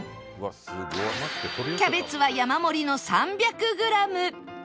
キャベツは山盛りの３００グラム